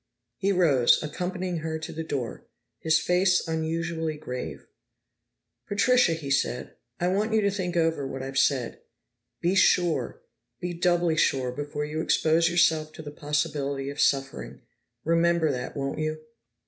He rose, accompanying her to the door, his face unusually grave. "Patricia," he said, "I want you to think over what I've said. Be sure, be doubly sure, before you expose yourself to the possibility of suffering. Remember that, won't you?"